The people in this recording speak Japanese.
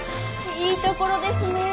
いいところですねえ！